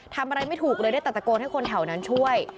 ทำอะไรไม่ถูกเลยได้ตัดตะโกนให้คนแถวนั้นช่วย